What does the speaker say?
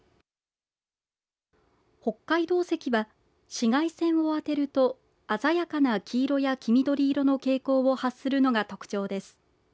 北海道石は紫外線を当てると鮮やかな黄色や黄緑色の蛍光を発するのが特徴です。